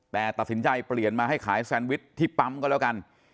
แต่ตัดสินใจเปลี่ยนมาให้ขายแซนวิชที่ปั๊มก็แล้วกัน